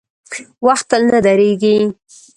• وخت تل نه درېږي.